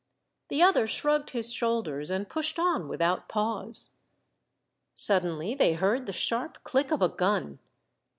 The other shrugged his shoulders, and pushed on without pause. Suddenly they heard the sharp click of a gun.